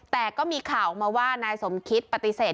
แต่ก็มีข่าวออกมาว่านายสมคิดปฏิเสธ